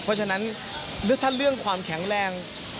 เพราะฉะนั้นถ้าเรื่องความแข็งแรง